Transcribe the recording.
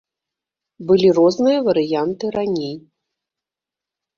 Былі розныя варыянты раней.